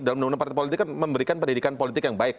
dan partai politik memberikan pendidikan politik yang baik